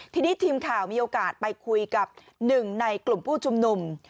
ทีนี้ทีมข่าวมีโอกาสไปคุยกับหนึ่งในกลุ่มผู้ชุมนุม